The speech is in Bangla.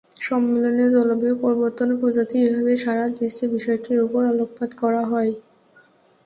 সম্মেলনে জলবায়ু পরিবর্তনে প্রজাতি কীভাবে সাড়া দিচ্ছে, বিষয়টির ওপর আলোকপাত করা হয়।